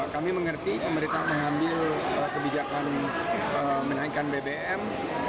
kami mengerti pemerintah mengambil kebijakan menaikkan bbm